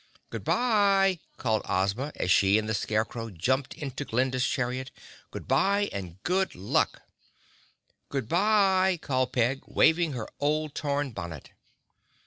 "Good bye!" called Ozma, as she and the Scarecrow jumped into Glinda's chariot. "Good bye and good luck!" "Good bye!" called Peg, waving her old torn bonnet.